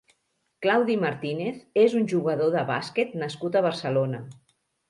Claudi Martínez és un jugador de bàsquet nascut a Barcelona.